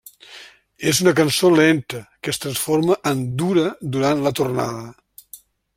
És una cançó lenta que es transforma en dura durant la tornada.